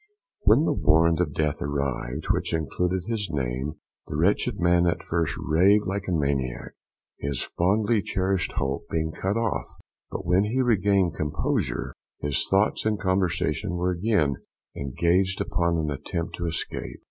When the warrant of death arrived, which included his name, the wretched man at first raved like a maniac, his fondly cherished hope being cut off, but when he regained composure, his thoughts and conversation were again engaged upon an attempt to escape.